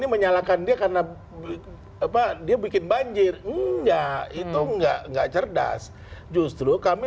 menyalahkan dia karena apa dia bikin banjir enggak itu enggak enggak cerdas justru kami